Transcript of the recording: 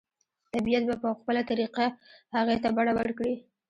طبیعت به په خپله طریقه هغې ته بڼه ورکړي